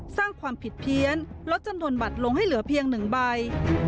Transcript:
สร้างความผิดเพี้ยนลดจำนวนบัตรลงให้เหลือเพียง๑ใบ